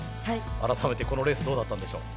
改めてこのレースどうだったんでしょう？